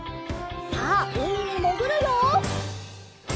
さあうみにもぐるよ！